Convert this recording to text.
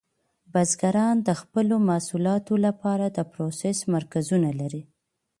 بزګران د خپلو محصولاتو لپاره د پروسس مرکزونه لري.